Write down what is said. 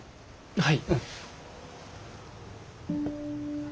はい。